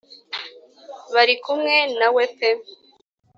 barikumwe na we pe